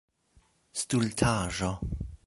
stultaĵo